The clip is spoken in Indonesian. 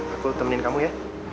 aku temenin kamu ya